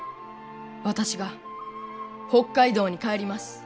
私が北海道に帰ります。